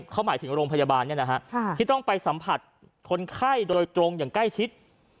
เขาหมายถึงโรงพยาบาลที่ต้องไปสัมผัสคนไข้โดยตรงอย่างใกล้ชิด